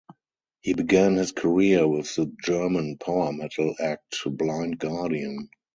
He began his career with the German power metal act Blind Guardian.